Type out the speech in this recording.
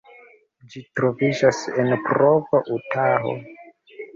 Ĝi troviĝas en Provo, Utaho.